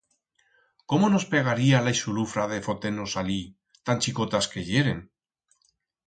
Cómo nos pegaría la ixulufra de foter-nos alí, tan chicotas que yeren?